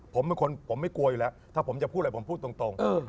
ผมเป็นคนผมไม่กลัวอยู่แล้วถ้าผมจะพูดอะไรผมพูดตรง